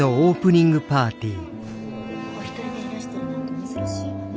お一人でいらしてるなんて珍しいわね。